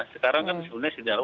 sekarang kan sebenarnya sudah jalan